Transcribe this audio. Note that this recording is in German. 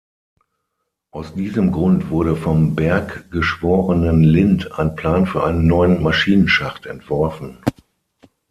Aus diesem Grund wurde vom Berggeschworenen Lind ein Plan für einen neuen Maschinenschacht entworfen.